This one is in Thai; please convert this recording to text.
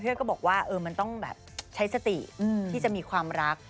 ก็บอกว่ามันต้องแบบใช้สติที่จะมีความรัก